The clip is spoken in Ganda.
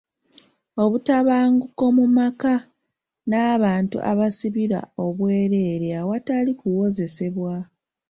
Obutabanguko mu maka, n'abantu abasibirwa obwereere awatali kuwozesebwa.